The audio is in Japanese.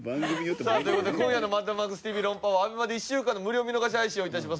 さあという事で今夜の『マッドマックスＴＶ論破王』はＡＢＥＭＡで１週間の無料見逃し配信を致します。